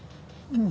うん！